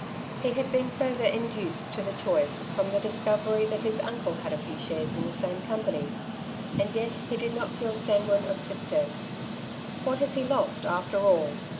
He had been farther indaced to the choice from the discovery that his nncle had a few shares in the same company ; and yet he did not feel san guine of success. What if he lost after all?